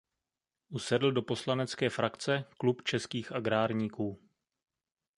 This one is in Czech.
Usedl do poslanecké frakce Klub českých agrárníků.